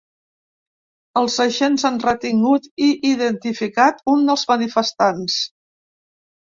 Els agents han retingut i identificat un dels manifestants.